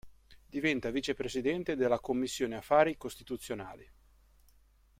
Diventa vice presidente della Commissione Affari Costituzionali.